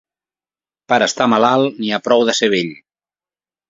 Per estar malalt n'hi ha prou de ser vell.